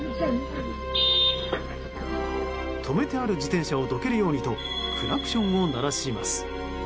止めてある自転車をどけるようにとクラクションを鳴らします。